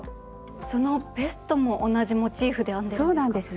そのベストも同じモチーフで編んでるんですか？